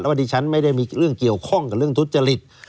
ว่าดิฉันไม่ได้มีเรื่องเกี่ยวข้องกับเรื่องทุจริต